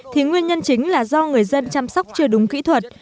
thì nguyên nhân chính là do người dân chăm sóc chưa đúng kỹ thuật